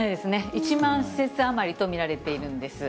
１万施設余りと見られているんです。